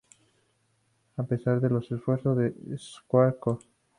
A pesar de los esfuerzos de Square Co.